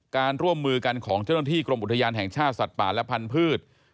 การร่วมมือกันของเจ้าหน้าที่กรมอุทยานแห่งชาติสัตว์ป่าและพันธุ์